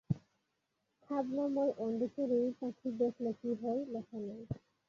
খাবনাময় অন্ধ চড়ুই পাখি দেখলে কী হয় লেখা নেই।